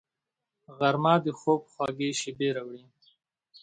غرمه د خوب خوږې شېبې راوړي